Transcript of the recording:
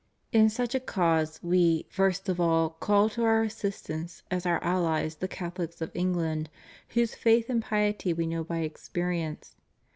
^ In such a cause We, first of all, call to Our assistance as Our allies the Cathohcs of England, whose faith and piety We know by experience.